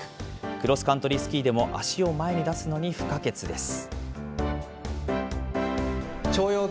クロスカントリースキーでも、足を前に出すのに不可欠です。